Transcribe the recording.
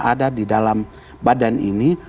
ada di dalam badan ini